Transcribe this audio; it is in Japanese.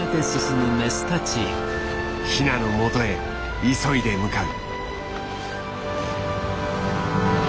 ヒナのもとへ急いで向かう。